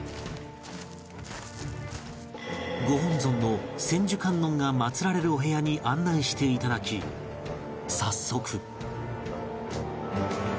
ご本尊の千手観音が祭られるお部屋に案内していただき早速